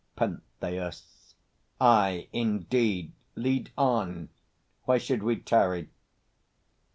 PENTHEUS. Aye, indeed! Lead on. Why should we tarry?